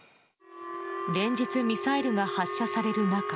連日、ミサイルが発射される中